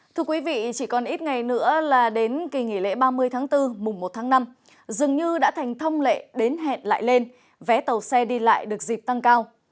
thưa quý vị chỉ còn ít ngày nữa là đến kỳ nghỉ lễ ba mươi tháng bốn mùng một tháng năm dường như đã thành thông lệ đến hẹn lại lên vé tàu xe đi lại được dịp tăng cao